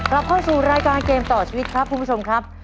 เราเข้าสู่รายการเกมต่อชีวิตครับคุณผู้ชมครับ